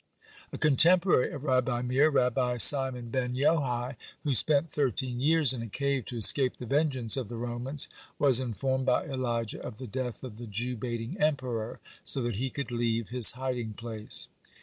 (51) A contemporary of Rabbi Meir, Rabbi Simon ben Yohai, who spent thirteen years in a cave to escape the vengeance of the Romans, was informed by Elijah of the death of the Jew baiting emperor, so that he could leave his hiding place.